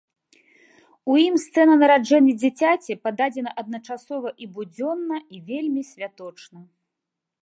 У ім сцэна нараджэння дзіцяці пададзена адначасова і будзённа і вельмі святочна.